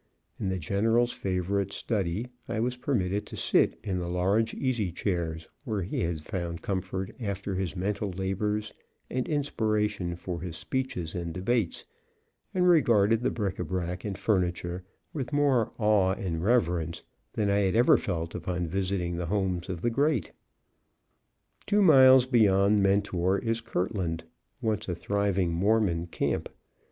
In the General's favorite study, I was permitted to sit in the large easy chairs where he had found comfort after his mental labors and inspiration for his speeches and debates, and regarded the bric a brac and furniture with more awe and reverence than I had ever felt upon visiting the homes of the great. Two miles beyond Mentor is Kirtland, once a thriving Mormon camp.